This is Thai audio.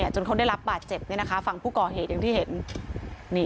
จนเขาได้รับบาดเจ็บฝั่งผู้ก่อเหตุอย่างที่เห็น